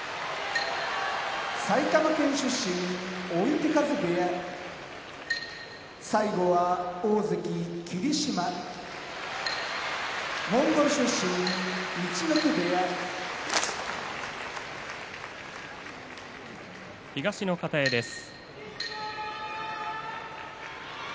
埼玉県出身追手風部屋大関・霧島モンゴル出身陸奥部屋東の方屋です。